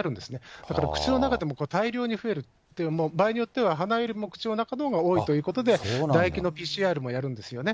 やっぱり口の中って大量に増える、場合によっては鼻よりも口の中のほうが多いということで、唾液のＰＣＲもやるんですよね。